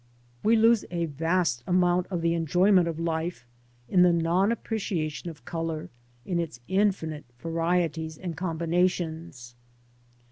We lose a vast amount of the enjoyment of life in the non appreciation of colour in its infinite varieties and combina tions.